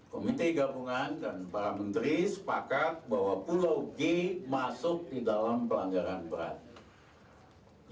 komite gabungan dan para menteri sepakat bahwa pulau g masuk di dalam pelanggaran berat